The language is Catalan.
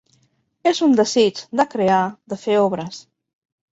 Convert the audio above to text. És un desig, de crear, de fer obres